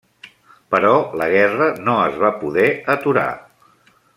Però la guerra no es va poder aturar.